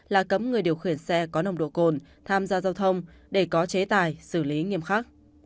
là cấm người điều khiển xe có nồng độ cồn tham gia giao thông để có chế tài xử lý nghiêm khắc